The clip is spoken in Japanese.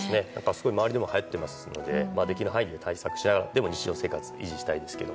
周りでもはやっていますのでできる範囲で対策しながら日常生活を維持したいですけど。